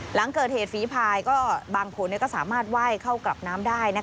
หลังเกิดเหตุฝีพายก็บางคนก็สามารถไหว้เข้ากลับน้ำได้